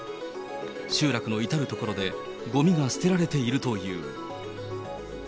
集落の至る所で、ごみが捨てられているという。